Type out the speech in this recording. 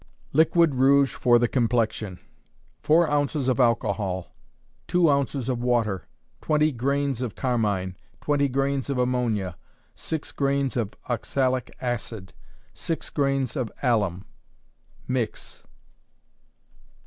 Liquid Rouge for the Complexion. Four ounces of alcohol, two ounces of water, twenty grains of carmine; twenty grains of ammonia, six grains of oxalic acid, six grains of alum mix.